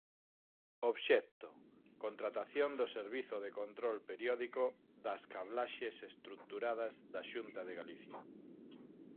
Obxecto: contratación do servizo de control periódico das cablaxes estruturadas da Xunta de Galicia.